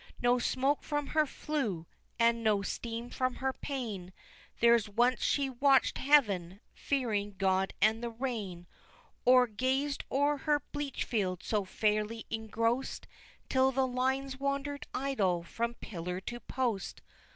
No smoke from her flue and no steam from her pane, There once she watch'd heaven, fearing God and the rain Or gaz'd o'er her bleach field so fairly engross'd, Till the lines wander'd idle from pillar to post!